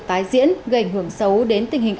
tái diễn gây ảnh hưởng xấu đến tình hình